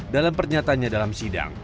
dalam pernyatanya dalam sidang